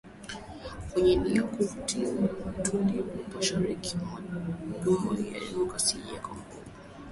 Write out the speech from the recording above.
Wenye nia ya kuvuruga utulivu mashariki mwa Jamhuri ya Kidemokrasia ya Kongo.